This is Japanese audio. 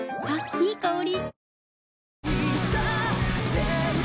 いい香り。